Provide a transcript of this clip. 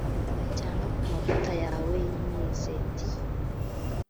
cyangwa ku mavuta yawe y’imizeti,